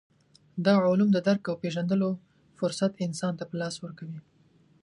دغه علوم د درک او پېژندلو فرصت انسان ته په لاس ورکوي.